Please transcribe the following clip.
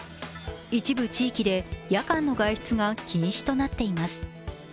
一部地域で夜間の外出が禁止となっています。